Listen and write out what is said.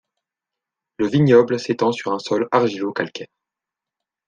Le vignoble s'étend sur un sol argilo-calcaire.